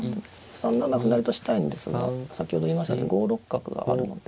３七歩成としたいんですが先ほど言いましたように５六角があるので。